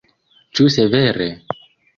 Ĉu severe?